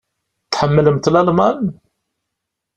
Tḥemmlemt Lalman?